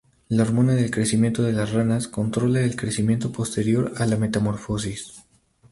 La hormona del crecimiento de las ranas controla el crecimiento posterior a la metamorfosis.